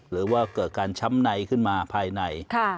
หรือว่าเกิดการช้ำในขึ้นมาภายใน